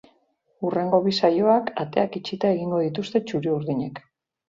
Hurrengo bi saioak ateak itxita egingo dituzte txuri-urdinek.